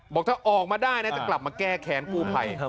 บอกถ้าออกมาได้นะจะกลับมาแก้แค้นกู้ภัย